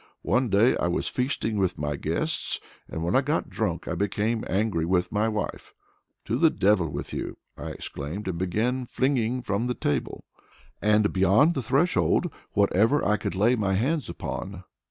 One day I was feasting with my guests, and when I got drunk I became angry with my wife. 'To the devil with you!' I exclaimed, and began flinging from the table, and beyond the threshold, whatever I could lay my hands upon.